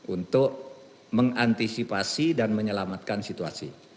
untuk mengantisipasi dan menyelamatkan situasi